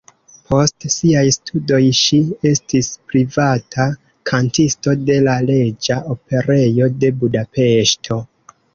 Post siaj studoj ŝi estis privata kantisto de la Reĝa Operejo de Budapeŝto.